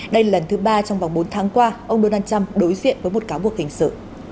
đây là lần thứ ba trong vòng bốn tháng qua ông donald trump đối diện với một cáo buộc hình sự